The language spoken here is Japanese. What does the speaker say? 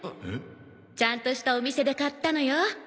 ちゃんとしたお店で買ったのよ。